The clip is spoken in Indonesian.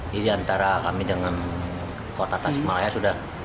jadi antara kami dengan kota tasikmalaya sudah